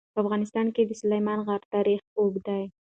په افغانستان کې د سلیمان غر تاریخ اوږد دی.